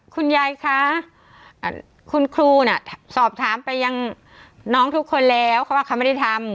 คุณยายคะคุณครูน่ะสอบถามไปยังน้องทุกคนแล้วเขาว่าเขาไม่ได้ทำ